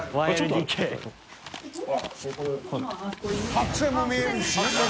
白線も見える！